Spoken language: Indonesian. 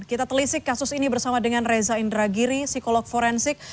kita telisik kasus ini bersama dengan reza indragiri psikolog forensik